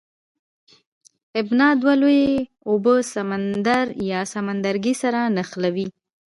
ابنا دوه لویې اوبه سمندر یا سمندرګی سره نښلوي.